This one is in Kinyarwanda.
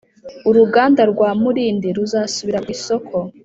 uruganda rwa Mulindi ruzasubira ku isoko